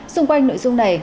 xung quanh nội dung này